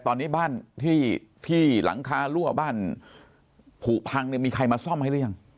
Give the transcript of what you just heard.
ตอนนี้บ้านที่หลังคารั่วบ้านผูพังเนี่ยมีใครมาซ่อมให้หรือยัง